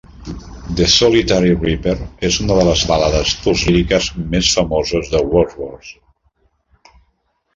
"The Solitary Reaper és una de les balades postlíriques més famoses de Wordsworth".